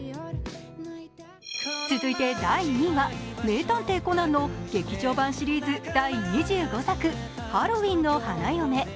続いて第２位は、「名探偵コナン」の劇場版シリーズ第２５作「ハロウィンの花嫁」。